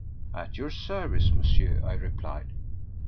"At your service, Monsieur," I replied.